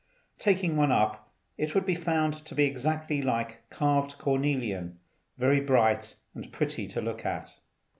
Taking one up, it would be found to be exactly like carved cornelian, very bright and pretty to look at.